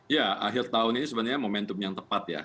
ya akhir tahun ini sebenarnya momentum yang tepat ya